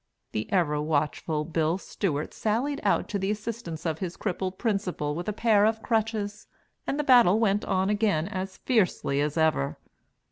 The ever watchful Bill Stewart sallied out to the assistance of his crippled principal with a pair of crutches, and the battle went on again as fiercely as ever.